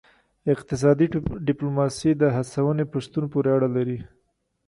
اقتصادي ډیپلوماسي د هڅونې په شتون پورې اړه لري